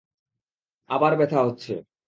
আবার ব্যথা হচ্ছে!